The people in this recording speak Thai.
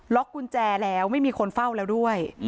กุญแจแล้วไม่มีคนเฝ้าแล้วด้วย